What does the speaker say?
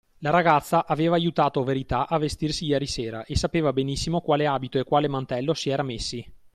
La ragazza aveva aiutato Verità a vestirsi ieri sera e sapeva benissimo quale abito e quale mantello si era messi.